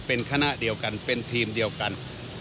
เป็นคณะเดียวกันเป็นทีมเดียวกัน